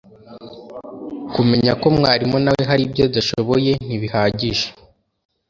Kumenya ko mwarimu na we hari ibyo adashoboye ntibihagije